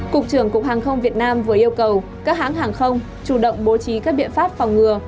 cục trưởng cục hàng không việt nam vừa yêu cầu các hãng hàng không chủ động bố trí các biện pháp phòng ngừa